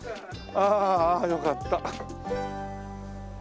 ああよかった。